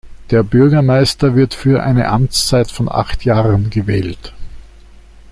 Der Bürgermeister wird für eine Amtszeit von acht Jahren gewählt.